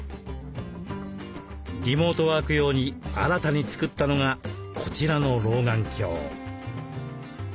リモートワーク用に新たに作ったのがこちらの老眼鏡。